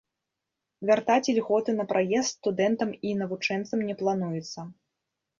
Вяртаць ільготы на праезд студэнтам і навучэнцам не плануецца.